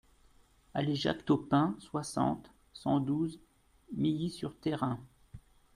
Allée Jacques Topin, soixante, cent douze Milly-sur-Thérain